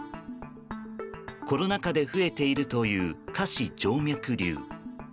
コロナ禍で増えているという下肢静脈瘤。